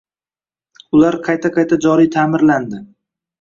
Ular qayta-qayta joriy taʼmirladi